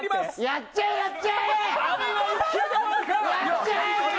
やっちゃえ、やっちゃえ！